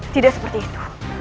tidak seperti itu